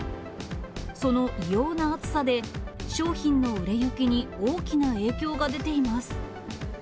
その異様な暑さで、商品の売れ行きに大きな影響が出ています。